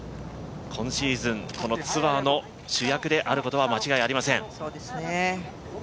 今シーズン、このツアーの主役であることは間違いありません。